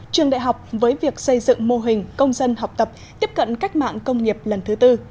trường đại học với việc xây dựng mô hình công dân học tập tiếp cận cách mạng công nghiệp lần thứ tư